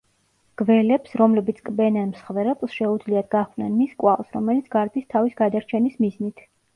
გველებს, რომლებიც კბენენ მსხვერპლს შეუძლიათ გაჰყვნენ მის კვალს, რომელიც გარბის თავის გადარჩენის მიზნით.